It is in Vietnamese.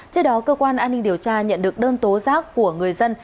trước đó cơ quan an ninh điều tra nhận được đơn tố giác của người dân